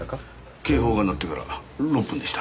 警報が鳴ってから６分でした。